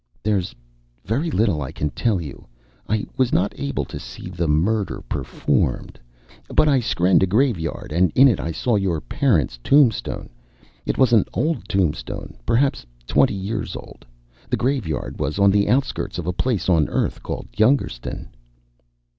"There's very little I can tell you. I was not able to see the murder performed. But I skrenned a graveyard, and in it I saw your parents' tombstone. It was an old tombstone, perhaps twenty years old. The graveyard was on the outskirts of a place on Earth called Youngerstun."